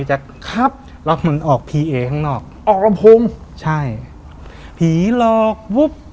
จะครับแล้วมันออกพีเอข้างนอกออกอัมพงษ์ใช่ผีหลอกวุ๊บ